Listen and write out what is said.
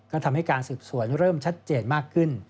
ก็ทำให้การสืบสวนเริ่มชัดเจนมากขึ้น